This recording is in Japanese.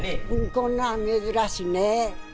こんなん珍しいね。